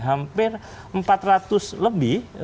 hampir empat ratus lebih